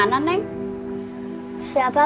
ke sebuah tempat